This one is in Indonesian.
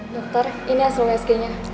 dokter ini hasil wsg nya